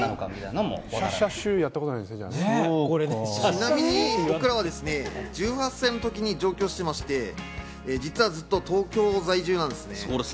ちなみに僕らは１８歳の時に上京してまして、実はずっと東京在住なんですね。